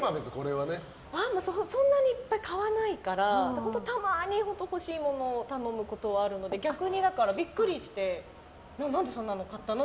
そんなにいっぱい買わないからたまに欲しいものを頼むことはあるので逆に、ビックリして何でそんなの買ったの？